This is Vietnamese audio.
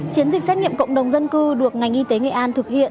chiến dịch xét nghiệm cộng đồng dân cư được ngành y tế nghệ an thực hiện